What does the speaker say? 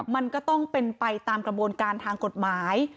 มันก็ต้องเป็นไปตามกระบวนการทางกฎหมาย